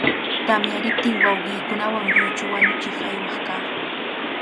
Tamyariptin, wawqiikunawan lluychu wañuchiq aywaq kaa.